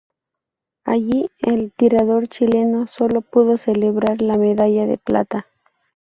Allí, el tirador chileno sólo pudo celebrar la medalla de plata.